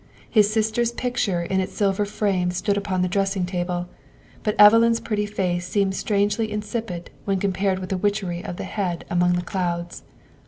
His sister's picture in its silver frame stood upon the dressing table, but Evelyn's pretty face seemed strangely insipid when compared with the witchery of the head among the clouds.